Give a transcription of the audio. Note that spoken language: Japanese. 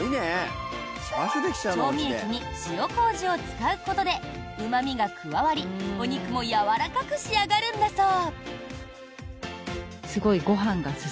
調味液に塩麹を使うことでうま味が加わりお肉もやわらかく仕上がるんだそう。